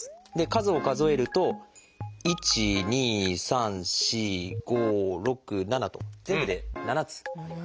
数を数えると１２３４５６７と全部で７つ。